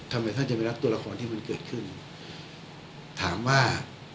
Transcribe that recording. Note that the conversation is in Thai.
ทำไมท่านจะไปรับตัวละครที่มันเกิดขึ้นถามว่า